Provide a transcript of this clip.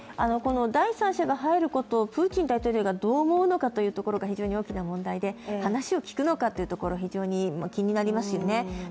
第三者が入ることをプーチン大統領がどう思うかというところが非常に問題で話を聞くのかというところ、非常に気になりますよね。